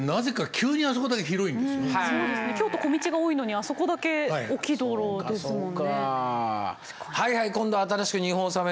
京都小道が多いのにあそこだけ大きい道路ですもんね。